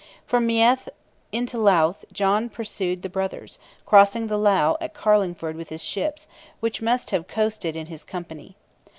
From Meath into Louth John pursued the brothers, crossing the lough at Carlingford with his ships, which must have coasted in his company.